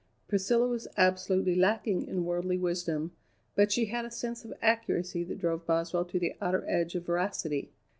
Priscilla was absolutely lacking in worldly wisdom, but she had a sense of accuracy that drove Boswell to the outer edge of veracity.